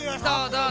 どう？